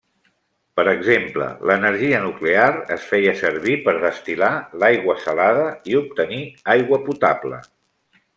Per exemple l'energia nuclear es feia servir per destil·lar l'aigua salada i obtenir aigua potable.